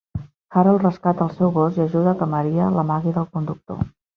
Harold rescata el seu gos i ajuda a que Maria l'amagui del conductor.